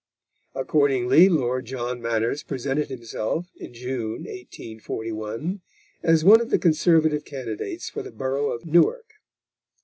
Accordingly Lord John Manners presented himself, in June 1841, as one of the Conservative candidates for the borough of Newark.